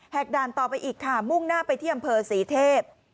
ด่านต่อไปอีกค่ะมุ่งหน้าไปที่อำเภอศรีเทพ